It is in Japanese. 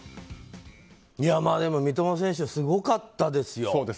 でも三笘選手すごかったですよ。